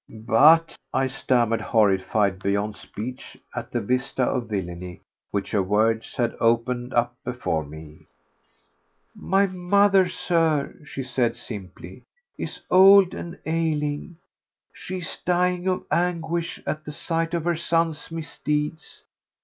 "But ..." I stammered, horrified beyond speech at the vista of villainy which her words had opened up before me. "My mother, Sir," she said simply, "is old and ailing; she is dying of anguish at sight of her son's misdeeds.